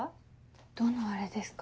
どの「アレ」ですか？